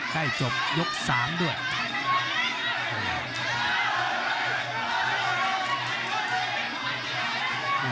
โหโหโหโหโหโห